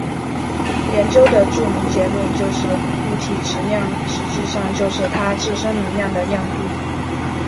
研究的著名结论就是物体质量实际上就是它自身能量的量度。